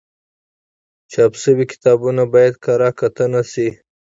چاپ شوي کتابونه باید کره کتنه شي.